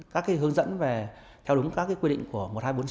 các hướng dẫn về theo đúng các quy định của một nghìn hai trăm bốn mươi sáu